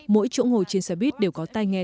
mỗi chỗ ngồi trên xe buýt đều có tay nghe